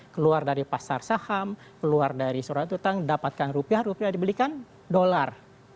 keluar dari pasar saham keluar dari surat utang dapatkan rupiah rupiah dibelikan dolar